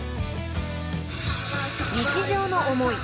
［日常の思い。